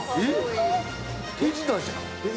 手品じゃん。